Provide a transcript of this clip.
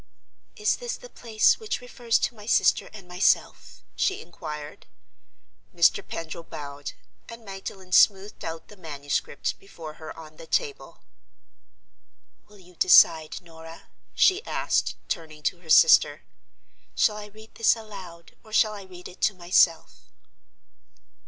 "Is this the place which refers to my sister and myself?" she inquired. Mr. Pendril bowed; and Magdalen smoothed out the manuscript before her on the table. "Will you decide, Norah?" she asked, turning to her sister. "Shall I read this aloud, or shall I read it to myself?"